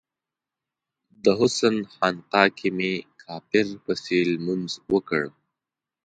د حسن خانقا کې می کافر پسې لمونځ وکړ